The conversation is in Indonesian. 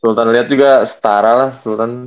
sultan liat juga setara lah sultan